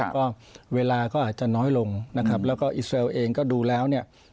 ก็เวลาก็อาจจะน้อยลงนะครับแล้วก็อิสเซลเองก็ดูแล้วเนี่ย